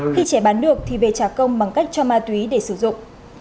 khi trẻ bán được thì về trả công bằng cách cho ma túy để sử dụng